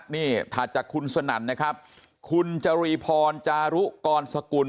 นี่ถัดจากคุณสนั่นนะครับคุณจรีพรจารุกรสกุล